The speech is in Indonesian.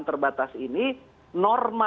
terbatas ini norma